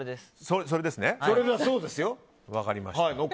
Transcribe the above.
分かりました。